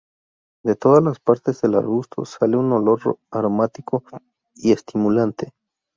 De todas las partes del arbusto sale un olor aromático y estimulante.